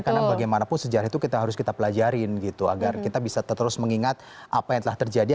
karena bagaimanapun sejarah itu kita harus kita pelajari gitu agar kita bisa terus mengingat apa yang telah terjadi